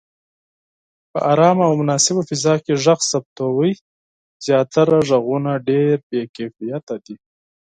په آرامه او مناسبه فضا کې غږ ثبتوئ. زياتره غږونه ډېر بې کیفیته دي.